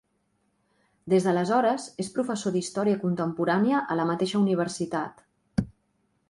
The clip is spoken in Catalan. Des d'aleshores és professor d'història contemporània a la mateixa Universitat.